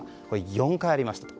４回ありました。